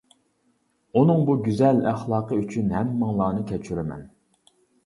ئۇنىڭ بۇ گۈزەل ئەخلاقى ئۈچۈن ھەممىڭلارنى كەچۈرىمەن.